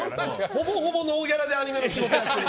ほぼほぼノーギャラでアニメの仕事やってる。